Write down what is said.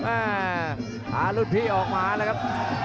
อ้าหารุทธิออกมาแล้วครับ